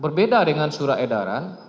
berbeda dengan surah edaran